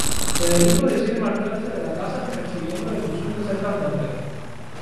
Federico decide marcharse de la casa persiguiendo la ilusión de ser cantante.